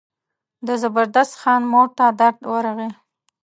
د زبردست خان مور ته درد ورغی.